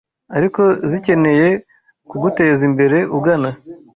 ariko zikeneye kuguteza imbere ugana